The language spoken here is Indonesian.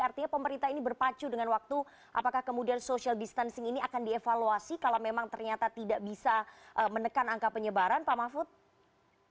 artinya pemerintah ini berpacu dengan waktu apakah kemudian social distancing ini akan dievaluasi kalau memang ternyata tidak bisa menekan angka penyebaran pak mahfud